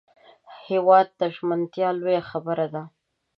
هېواد ته ژمنتیا لویه خبره ده